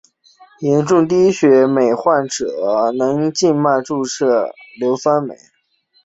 严重低血镁患者能经静脉注射硫酸镁。